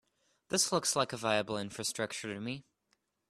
This looks like a viable infrastructure to me.